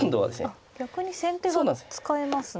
あっ逆に先手が使えますね。